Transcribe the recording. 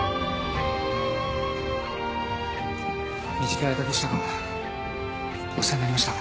短い間でしたがお世話になりました。